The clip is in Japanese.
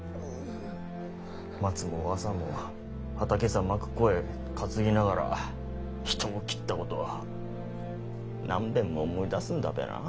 マツもワサも畑さまく肥担ぎながら人を斬ったことを何べんも思い出すんだべな。